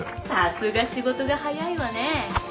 さすが仕事が早いわね。